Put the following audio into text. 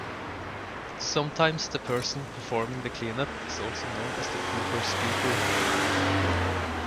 Sometimes, the person performing the cleanup is also known as the pooper-scooper.